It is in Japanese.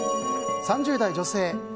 ３０代女性。